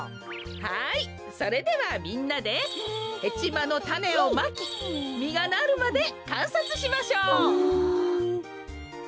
はいそれではみんなでヘチマのたねをまきみがなるまでかんさつしましょう！